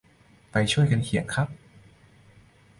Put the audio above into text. ไปช่วยกันเขียนครับ